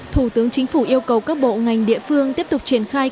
thủ tướng chính phủ yêu cầu các bộ ngành địa phương tiếp tục triển khai